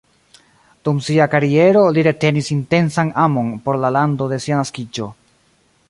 Dum sia kariero, li retenis intensan amon por la lando de sia naskiĝo.